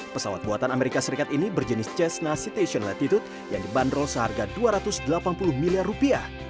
pesawat buatan amerika serikat ini berjenis cessna citation letitude yang dibanderol seharga dua ratus delapan puluh miliar rupiah